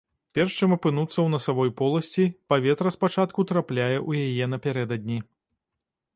Перш чым апынуцца ў насавой поласці, паветра спачатку трапляе ў яе напярэдадні.